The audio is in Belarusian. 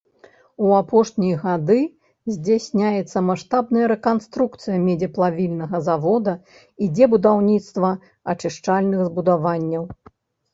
У апошнія гады здзяйсняецца маштабная рэканструкцыя медзеплавільнага завода, ідзе будаўніцтва ачышчальных збудаванняў.